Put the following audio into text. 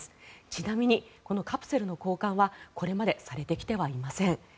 ちなみにこのカプセルの交換はこれまでされてきてはいません。